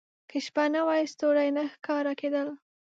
• که شپه نه وای، ستوري نه ښکاره کېدل.